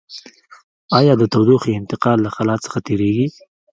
آیا د تودوخې انتقال له خلاء څخه تیریږي؟